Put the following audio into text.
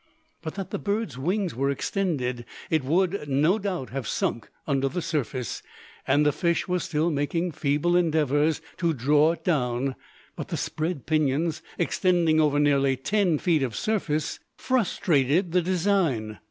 But that the bird's wings were extended, it would, no doubt, have sunk under the surface; and the fish was still making feeble endeavours to draw it down; but the spread pinions, extending over nearly ten feet of surface, frustrated the design.